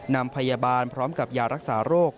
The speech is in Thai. นำพยาบาลพร้อมกับยารักษาโรค